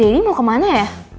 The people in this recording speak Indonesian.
daddy mau ke mana ya